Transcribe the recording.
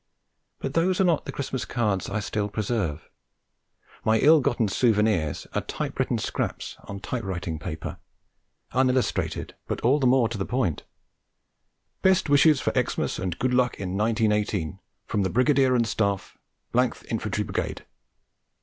But those are not the Christmas cards I still preserve; my ill gotten souvenirs are typewritten scraps on typewriting paper, unillustrated, but all the more to the point: 'Best wishes for Xmas and Good Luck in 1918, from the Brigadier and Staff, th Infantry Brigade.'